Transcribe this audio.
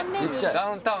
「ダウンタウン」